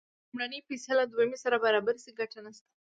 که لومړنۍ پیسې له دویمې سره برابرې شي ګټه نشته